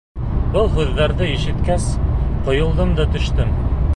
Был һүҙҙәрҙе ишеткәс, ҡойолдом да төштөм.